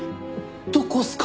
どこっすか？